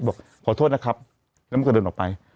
บอกขอโทษนะครับแล้วมันก็เดินออกไป